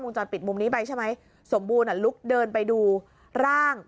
มุมจอดปิดมุมนี้ไปใช่ไหมสมบูรณ์ระบุรุกเดินไปดูร่างของ